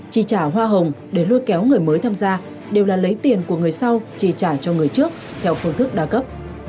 chi trả hoa hồng để lôi kéo người mới tham gia đều là lấy tiền của người sau tri trả cho người trước theo phương thức đa cấp